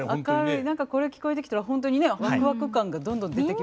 何かこれ聞こえてきたら本当にねワクワク感がどんどん出てきますね。